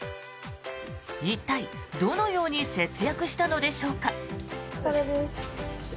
一体どのように節約したのでしょうか。